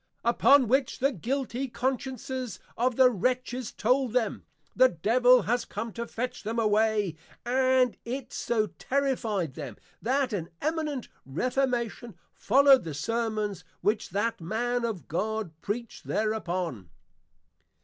Upon which the guilty Consciences of the Wretches told them, the Devil was come to fetch them away; and it so terrifi'd them, that an Eminent Reformation follow'd the Sermons which that Man of God Preached thereupon.